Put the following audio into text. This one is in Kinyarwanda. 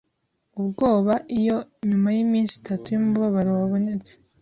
ubwoba Iyo nyuma yiminsi itatu yumubabaro wabonetse